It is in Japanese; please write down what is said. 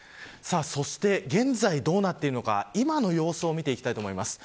そして現在どうなっているのか今の様子を見ていきたいと思います。